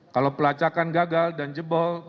kalau pelacakan gagal dan jebol